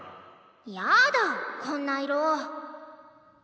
やだーこんな色ー！